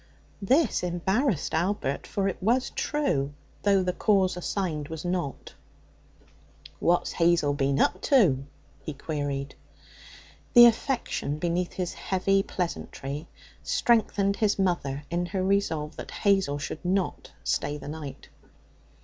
This embarrassed Albert, for it was true, though the cause assigned was not. 'What's Hazel been up to?' he queried. The affection beneath his heavy pleasantry strengthened his mother in her resolve that Hazel should not stay the night.